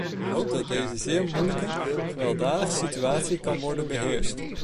Ik hoop dat deze zeer moeilijke, gewelddadige situatie kan worden beheerst.